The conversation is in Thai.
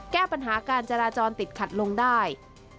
แก้ปัญหาการจราจรติดขัดลงได้